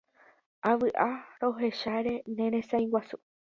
Avy'a rohecháre neresãiguasu